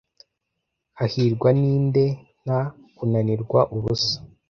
hahirwa ninde nta kunanirwa ubusa